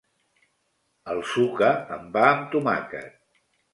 El suca amb pa amb tomàquet.